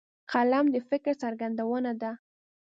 قلم د فکرو څرګندونه ده